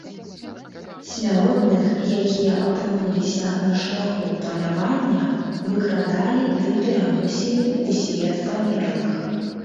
Смяротных, якія апынуліся на шляху палявання, выкрадалі ды пераносілі ў свет памерлых.